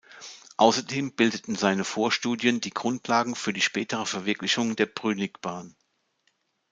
Ausserdem bildeten seine Vorstudien die Grundlagen für die spätere Verwirklichung der Brünigbahn.